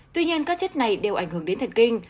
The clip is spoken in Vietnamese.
tuy nhiên các chất này đều ảnh hưởng đến thần kinh